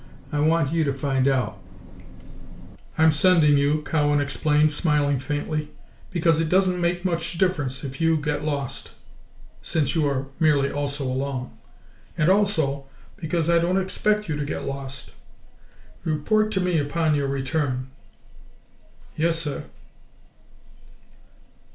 I want you to find out." "Very well, sir." "I'm sending you," Cowan explained, smiling faintly, "because it doesn't make so much difference if you get lost, since you are merely 'also along', and also because I don't expect you to get lost. Report to me upon your return." "Yes, sir."